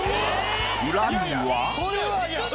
裏には。